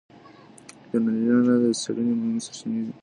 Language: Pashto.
يونليکونه د څېړنې مهمې سرچينې دي.